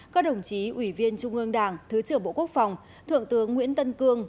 các đồng chí ủy viên trung ương đảng thứ trưởng bộ quốc phòng thượng tướng nguyễn tân cương